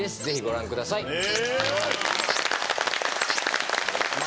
ぜひご覧ください。